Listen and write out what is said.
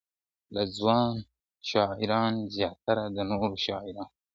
او ځوان شاعران زیاتره د نورو شاعرانو `